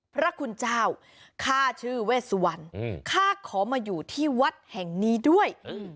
พระคุณเจ้าข้าชื่อเวสวรรณข้าขอมาอยู่ที่วัดแห่งนี้ด้วย